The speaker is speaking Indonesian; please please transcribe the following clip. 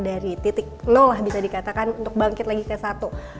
dari titik nol lah bisa dikatakan untuk bangkit lagi ke satu